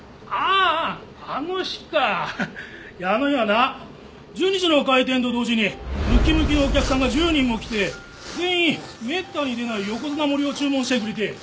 あの日はな１２時の開店と同時にムキムキのお客さんが１０人も来て全員めったに出ない横綱盛りを注文してくれて。